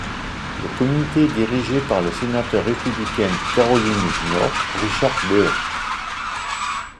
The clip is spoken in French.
Le comité est dirigé par le sénateur républicain du Caroline du Nord Richard Burr.